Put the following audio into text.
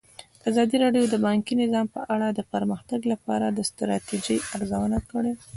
ازادي راډیو د بانکي نظام په اړه د پرمختګ لپاره د ستراتیژۍ ارزونه کړې.